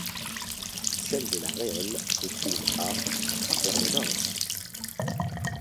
Celle de La Réole se trouve à vers le nord-est.